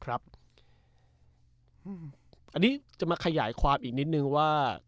อันนี้จะมาขยายความอีกนิดนึงว่า